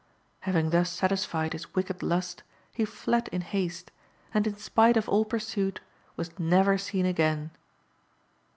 Having thus satisfied his wicked lust, he fled in haste, and in spite of all pursuit was never seen again.